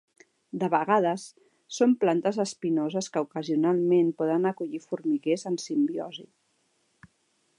De vegades, són plantes espinoses que ocasionalment poden acollir formiguers en simbiosi.